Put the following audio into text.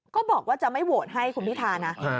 ก็บอกว่าจะไม่โหวตให้คุณพิธานะ